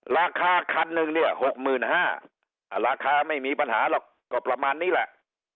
ราคาคันหนึ่งเนี่ย๖๕๐๐ราคาไม่มีปัญหาหรอกก็ประมาณนี้แหละ